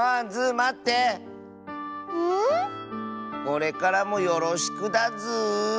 これからもよろしくだズー。